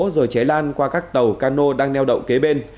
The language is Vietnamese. rồi cháy lan qua các tàu cano đang neo đậu kế bên